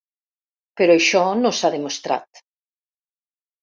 Però això no s’ha demostrat.